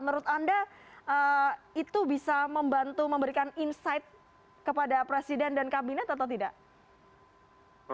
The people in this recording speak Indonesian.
menurut anda itu bisa membantu memberikan insight kepada presiden dan kabinet atau tidak